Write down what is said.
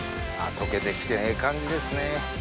溶けて来てええ感じですね。